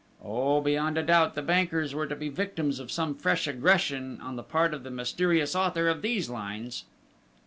_ Oh, beyond a doubt the bankers were to be victims of some fresh aggression on the part of the mysterious author of these lines!"